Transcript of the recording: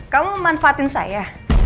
kamu memanfaatin saya